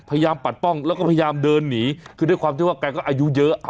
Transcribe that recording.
ปัดป้องแล้วก็พยายามเดินหนีคือด้วยความที่ว่าแกก็อายุเยอะ